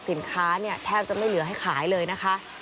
สินค้าเนี่ยแทบจะไม่เหลือให้ขายเลยนะคะ